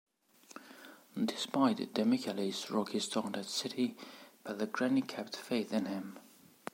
Despite Demichelis's rocky start at City, Pellegrini kept faith in him.